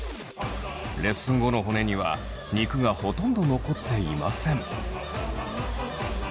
レッスン後の骨には肉がほとんど残っていません。